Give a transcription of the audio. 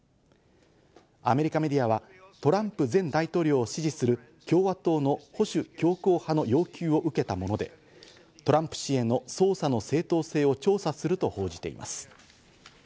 アメリカメディアはトランプ前大統領を支持する共和党の保守強硬派の要求を受けたもので、トランプ氏への捜査の正当性を調査すると報じています。